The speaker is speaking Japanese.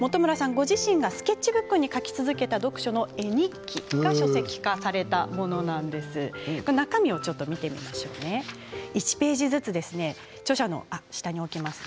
ご自身がスケッチブックに描き続けた読書の絵日記それが書籍化されました。